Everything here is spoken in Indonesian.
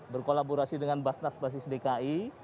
berkolaborasi dengan basnas basis dki